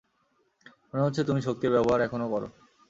মনে হচ্ছে তুমি শক্তির ব্যবহার এখনও করো।